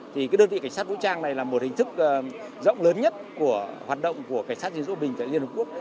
thì cái đơn vị cảnh sát vũ trang này là một hình thức rộng lớn nhất của hoạt động của cảnh sát giền giữ hòa bình tại liên hợp quốc